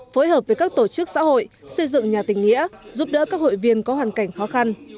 phối hợp với các tổ chức xã hội xây dựng nhà tình nghĩa giúp đỡ các hội viên có hoàn cảnh khó khăn